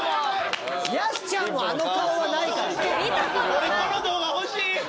俺この動画欲しい！